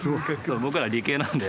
僕ら理系なんで。